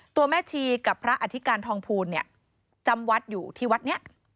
แม่ชีกับพระอธิการทองภูลเนี่ยจำวัดอยู่ที่วัดนี้